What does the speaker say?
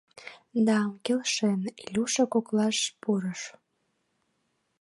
— Да, келшен! — Илюша коклаш пурыш.